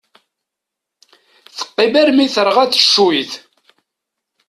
Teqqim armi terɣa teccuyt.